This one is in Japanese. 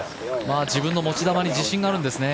自分の持ち球に自信があるんですね。